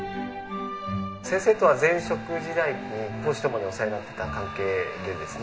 先生とは前職時代に公私共にお世話になっていた関係でですね